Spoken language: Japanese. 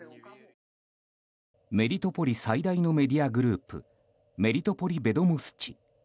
メリトポリ最大のメディアグループメリトポリ・ベドモスチ。